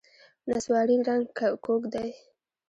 نسواري رنګ کږ دی.